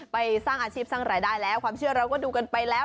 ไปสร้างอาชีพสร้างรายได้แล้วความเชื่อเราก็ดูกันไปแล้ว